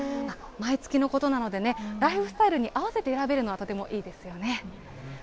毎月のことなのでね、ライフスタイルに合わせて選べるのは、とてもいいですよね。